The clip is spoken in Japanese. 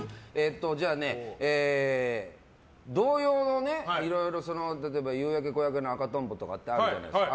じゃあね、童謡のいろいろ夕焼け小焼けの赤とんぼとかってあるじゃないですか。